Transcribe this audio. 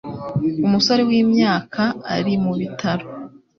Umusore wimyaka ari mubitaro